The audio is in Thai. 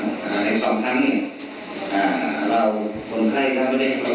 จนพัฒนาศิษย์ข้างจนได้มาสะการจนจากนางเบียงท่า